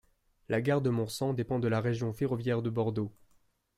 La gare de Morcenx dépend de la région ferroviaire de Bordeaux.